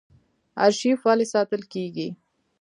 ارشیف ولې ساتل کیږي؟